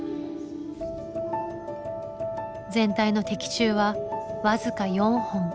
全体の的中は僅か４本。